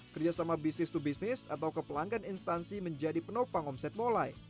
kerjasama bisnis to bisnis atau kepelanggan instansi menjadi penopang omset molai